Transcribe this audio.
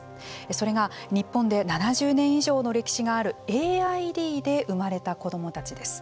それが日本で７０年以上の歴史があるＡＩＤで生まれた子どもたちです。